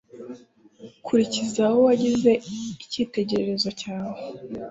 kurikiza uwo wagize icyitegererezo cyawe .